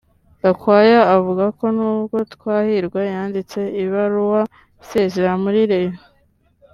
Gakwaya avuga ko nubwo Twahirwa yanditse ibaruwa isezera muri Rayon